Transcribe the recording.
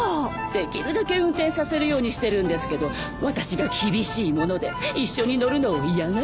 できるだけ運転させるようにしてるんですけど私が厳しいもので一緒に乗るのを嫌がりましてね。